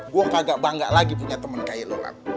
gua kagak bangga lagi punya temen kayak lo lam